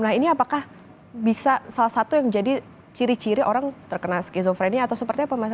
nah ini apakah bisa salah satu yang jadi ciri ciri orang terkena skizofrenia atau seperti apa mas